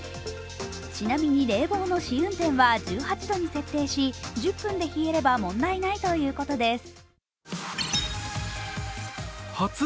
ちなみに冷房の試運転は１８度に設定し１０分で冷えれば問題ないということです。